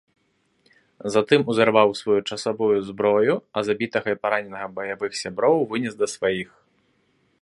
Затым узарваў сваю часовую зброю, а забітага і параненага баявых сяброў вынес да сваіх.